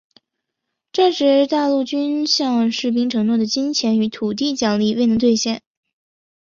战时大陆军向士兵承诺的金钱与土地奖励未能兑现。